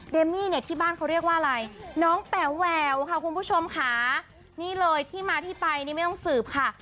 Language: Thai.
เมมี่เนี่ยที่บ้านเขาเรียกว่าอะไรน้องแป๋วแหววค่ะคุณผู้ชมค่ะนี่เลยที่มาที่ไปนี่ไม่ต้องสืบค่ะ